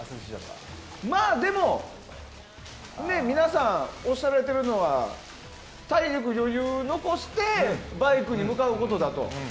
まあでも皆さん、おっしゃられてるのは体力に余裕を残してバイクに向かうことだと。